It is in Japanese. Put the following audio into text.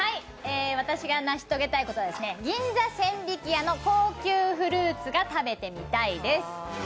私が成し遂げたいことは銀座千疋屋の高級フルーツが食べてみたいです。